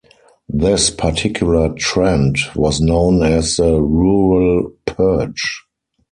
This particular trend was known as the rural purge.